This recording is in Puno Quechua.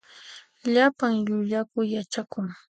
Llapan llullakuy yachakun.